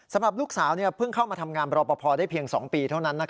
สำหรับลูกสาวเพิ่งเข้ามาทำงานรอปภได้เพียง๒ปีเท่านั้น